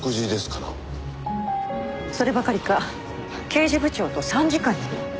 そればかりか刑事部長と参事官にも。